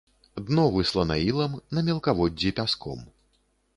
Дно выслана ілам, на мелкаводдзі пяском.